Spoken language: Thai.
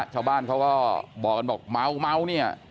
ชาวบ้านเขาก็บอกเมาเนี่ย